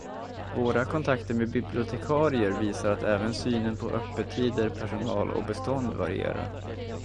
Våra kontakter med bibliotekarier visar att även synen på öppettider, personal och bestånd varierar.